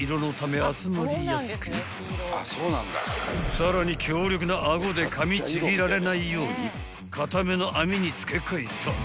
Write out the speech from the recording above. ［さらに強力な顎でかみちぎられないように硬めの網に付け替えた］